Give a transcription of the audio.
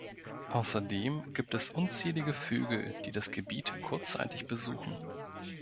Außerdem gibt es unzählige Vögel, die das Gebiet kurzzeitig besuchen.